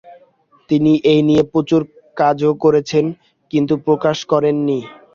তিনি এই নিয়ে প্রচুর কাজও করেছেন, কিন্তু প্রকাশ করেন নি।